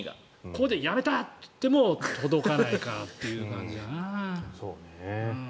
ここでやめた！って言っても届かないかって感じだな。